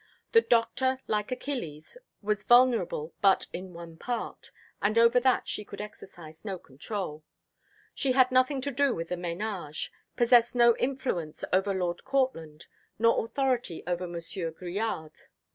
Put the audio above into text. The Doctor, like Achilles, was vulnerable but in one part, and over that she could exercise no control. She had nothing to do with the ménage possessed no influence over Lord Courtland, nor authority over Monsieur Grillade.